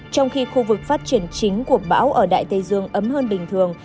trong khi khu vực phát triển chính của bão ở đại tây dương ấm hơn bình thường